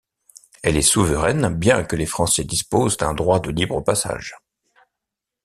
Elle est souveraine bien que les Français disposent d'un droit de libre passage.